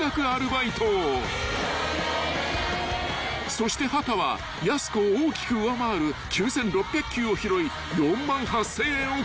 ［そして秦はやす子を大きく上回る９，６００球を拾い４万８，０００円を稼いだ］